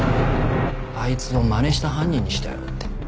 あいつをまねした犯人にしてやろうって。